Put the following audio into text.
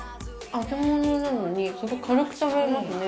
揚げ物なのに、軽く食べられますね。